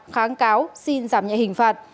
kháng cáo xin giảm nhẹ hình phạt